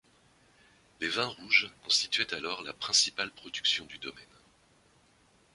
Les vins rouges constituaient alors la principale production du domaine.